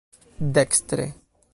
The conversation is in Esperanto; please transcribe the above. dekstre